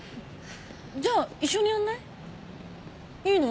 じゃあ一緒にやんない？いいの？